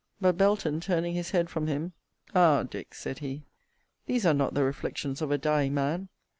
But Belton turning his head from him, Ah, Dick! (said he,) these are not the reflections of a dying man!